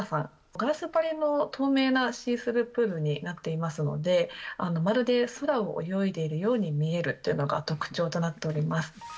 ガラス張りの透明なシースループールになっていますので、まるで空を泳いでいるように見えるというのが特徴となっておりま